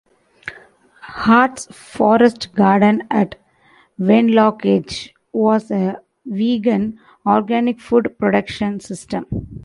Hart's forest garden at Wenlock Edge was a vegan organic food production system.